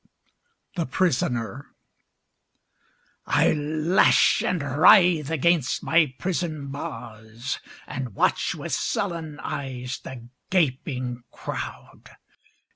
133 THE PRISONER I LASH and writhe against my prison bars, And watch with sullen eyes the gaping crowd